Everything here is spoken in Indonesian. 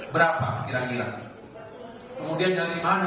berapa kira kira kemudian dari mana